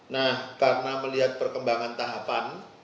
nah karena melihat perkembangan tahapan